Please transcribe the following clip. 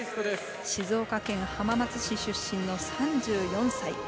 静岡県浜松市出身の３４歳。